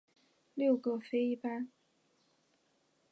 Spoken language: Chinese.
六各飞一班。